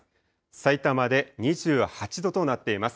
さいたまで２８度となっています。